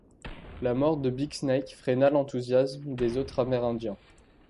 La mort de Big Snake freina l’enthousiasme des autres Amérindiens.